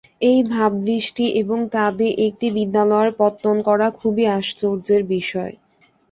এই ভাবদৃষ্টি এবং তা দিয়ে একটি বিদ্যালয়ের পত্তন করা খুবই আশ্চর্যের বিষয়।